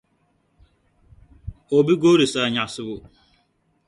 o bi goori saanyaɣisibu.